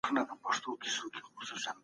که عایدات کم سي، دولت به له ستونزو سره مخ سي.